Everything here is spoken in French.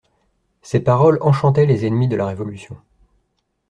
Ces paroles enchantaient les ennemis de la Révolution.